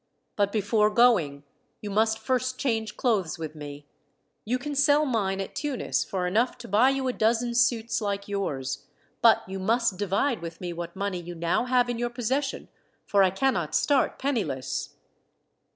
But before going, you must first change clothes with me. You can sell mine at Tunis for enough to buy you a dozen suits like yours; but you must divide with me what money you now have in your possession, for I cannot start penniless."